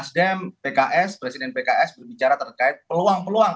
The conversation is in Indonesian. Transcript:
nasdem pks presiden pks berbicara terkait peluang peluang